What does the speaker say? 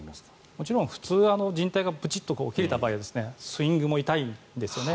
もちろん普通はじん帯がブチッと切れた場合はスイングも痛いんですよね。